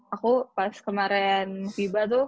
aku pas kemaren tiba tuh dua ribu delapan belas